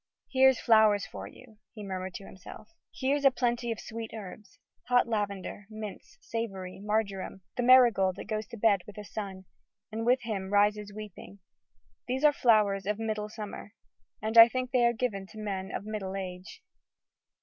"Here's flowers for you!" he murmured to himself, "Here's a plenty of sweet herbs! Hot lavender, mints, savory, marjoram, The marigold that goes to bed with the sun, And with him rises weeping: these are flowers Of middle summer. And I think they are given To men of middle age."